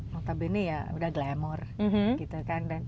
notabene ya udah glamour gitu kan